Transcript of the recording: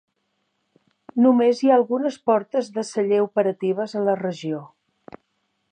Només hi ha algunes portes de celler operatives a la regió.